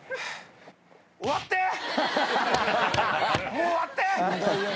もう終わって！